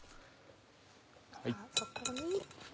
そこに。